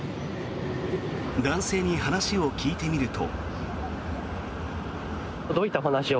男性に話を聞いてみると。